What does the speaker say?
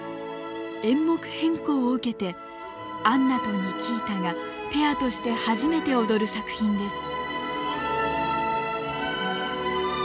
演目変更を受けてアンナとニキータがペアとして初めて踊る作品です。